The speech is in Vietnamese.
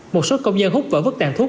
một số công nhân hút vỡ vứt tàn thuốc